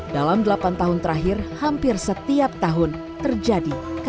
dalam delapan tahun terakhir hampir setiap tahun terjadi